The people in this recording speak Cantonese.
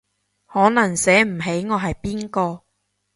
可能醒唔起我係邊個